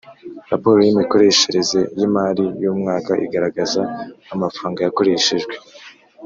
Raporo y’imikoreshereze y’imari y’umwaka igaragaza amafaranga yakoreshejwe